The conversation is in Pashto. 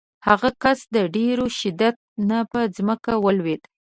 هغه کس د ډېر شدت نه په ځمکه ولویېد.